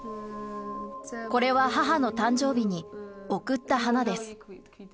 これは母の誕生日に贈った花です。